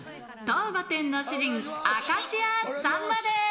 当御殿の主人明石家さんまです